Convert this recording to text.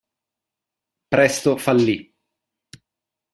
Presto fallì.